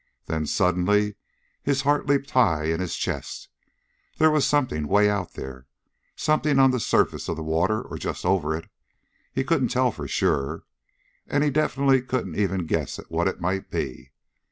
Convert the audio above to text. Then, suddenly, his heart leaped high in his chest. There was something way out there! Something on the surface of the water, or just over it. He couldn't tell for sure. And he definitely couldn't even guess at what it might be.